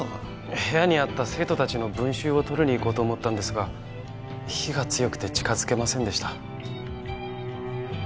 部屋にあった生徒達の文集を取りに行こうと思ったんですが火が強くて近づけませんでした